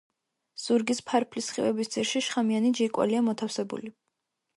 ზურგის ფარფლის სხივების ძირში შხამიანი ჯირკვალია მოთავსებული.